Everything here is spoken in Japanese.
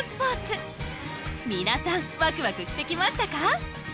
皆さんワクワクしてきましたか？